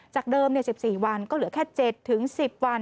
จากเดิม๑๔วันก็เหลือแค่๗๑๐วัน